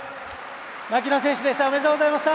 槙野選手でした。